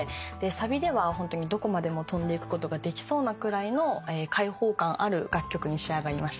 サビではホントにどこまでも飛んでいくことができそうなくらいの開放感ある楽曲に仕上がりました。